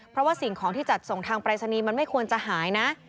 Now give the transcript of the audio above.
เพราะว่าสิ่งของที่จัดส่งทางปรายศนีย์มันไม่ควรจะหายนะ